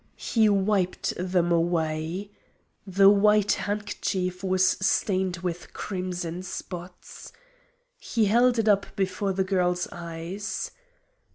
He wiped them away. The white handkerchief was stained with crimson spots. He held it up before the girl's eyes.